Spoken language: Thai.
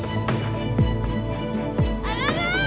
เข้ามา